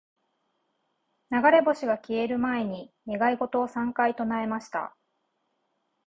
•流れ星が消える前に、願い事を三回唱えました。